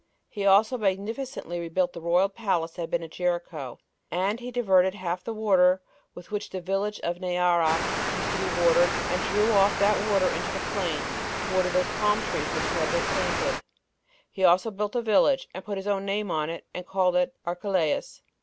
He also magnificently rebuilt the royal palace that had been at Jericho, and he diverted half the water with which the village of Neara used to be watered, and drew off that water into the plain, to water those palm trees which he had there planted: he also built a village, and put his own name upon it, and called it Archelais.